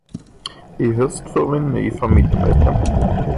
I höst får vi en ny familjemedlem.